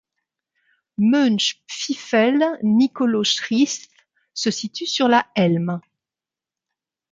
Mönchpfiffel-Nikolausrieth se situe sur la Helme.